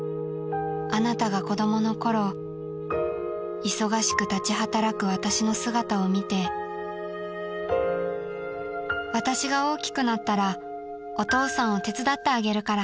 ［「貴方が子供の頃忙しく立ち働く私の姿を見て『わたしが大きくなったらお父さんを手伝ってあげるから』」］